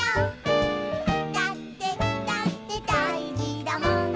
「だってだってだいじだもん」